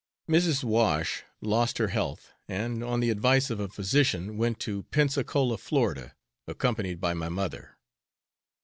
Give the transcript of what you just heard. Mrs. Wash lost her health, and, on the advice of a physician, went to Pensacola, Florida, accompanied by my mother.